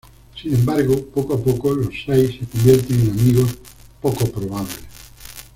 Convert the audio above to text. Sin embargo, poco a poco, los seis se convierten en amigos poco probables.